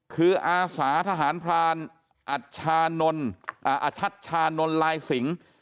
คืออาสาทหารพรานอัชชานนอชัชชานนท์ลายสิง